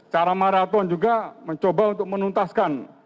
cara maraton juga mencoba untuk menuntaskan